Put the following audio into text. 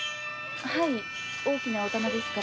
はい大きなお店ですから。